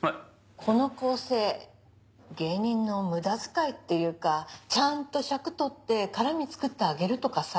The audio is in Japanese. この構成芸人の無駄遣いっていうかちゃんと尺取って絡みつくってあげるとかさぁ。